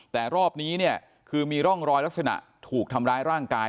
แต่รอบนี้เนี่ยคือมีร่องรอยลักษณะถูกทำร้ายร่างกาย